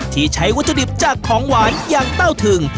ที่ใช้วัตถุดิบจากของหวานอย่างเต้าถึง